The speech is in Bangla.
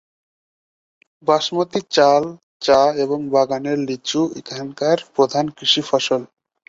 বাসমতী চাল, চা এবং বাগানের লিচু এখানকার প্রধান কৃষি ফসল।